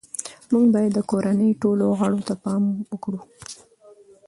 موږ باید د کورنۍ ټولو غړو ته پام وکړو